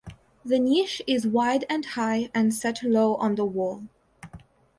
The niche is wide and high and set low on the wall.